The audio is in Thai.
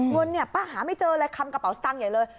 เงินเนี่ยป้าหาไม่เจอเลยคำกระเป๋าสตางค์ใหญ่เลย